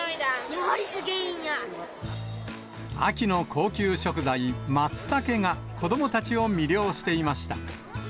やべー、秋の高級食材、マツタケが、子どもたちを魅了していました。